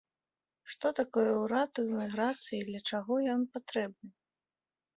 Што такое ўрад у эміграцыі і для чаго ён патрэбны?